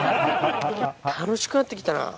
楽しくなってきたな。